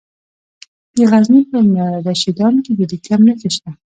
د غزني په رشیدان کې د لیتیم نښې شته.